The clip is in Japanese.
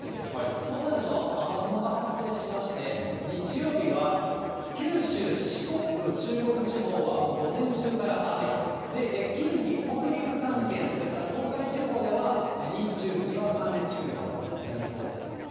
そうなると雨雲が発生しまして、日曜日は、九州、四国、中国地方は、もう午前中から雨、近畿、北陸３県、それから東海地方では、日中、にわか雨注意となりそうです。